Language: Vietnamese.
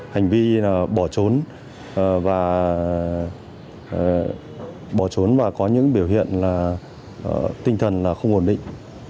hành vi bỏ trốn và có những biểu hiện tinh thần không ổn định